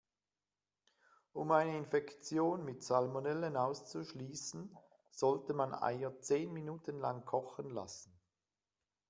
Um eine Infektion mit Salmonellen auszuschließen, sollte man Eier zehn Minuten lang kochen lassen.